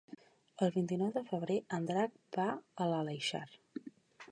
El vint-i-nou de febrer en Drac va a l'Aleixar.